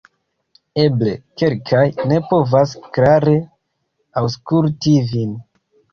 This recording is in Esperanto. Eble kelkaj ne povas klare aŭskulti vin